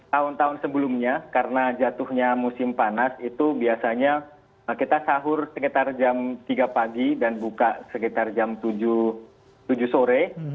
tahun tahun sebelumnya karena jatuhnya musim panas itu biasanya kita sahur sekitar jam tiga pagi dan buka sekitar jam tujuh sore